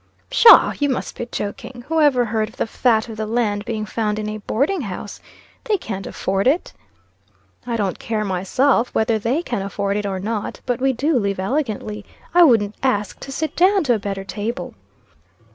"Pshaw! you must be joking. Whoever heard of the fat of the land being found in a boarding house. They can't afford it." "I don't care, myself, whether they can afford it or not. But we do live elegantly. I wouldn't ask to sit down to a better table."